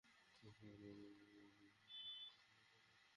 লাইফে বেস্টের গুষ্টি কিলাতে কিলাতে আমি অপেক্ষায় থাকি কিন্তু কোনো জবাব মেলে না।